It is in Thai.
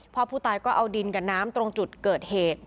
พ่อผู้ตายก็เอาดินกับน้ำตรงจุดเกิดเหตุ